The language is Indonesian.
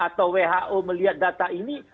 atau who melihat data ini